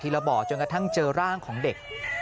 และทั้งเจอร่างของเด็ก